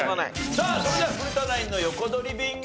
さあそれでは古田ナインの横取りビンゴです。